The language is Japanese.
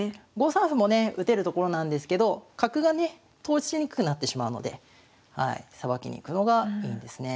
５三歩もね打てるところなんですけど角がね通しにくくなってしまうのでさばきにいくのがいいんですね。